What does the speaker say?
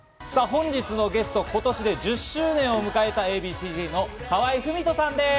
本日のゲスト、今年で１０周年を迎えたＡ．Ｂ．Ｃ−Ｚの河合郁人さんです。